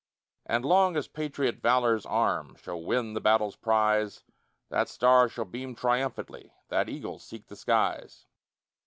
And long as patriot valor's arm Shall win the battle's prize, That star shall beam triumphantly, That eagle seek the skies.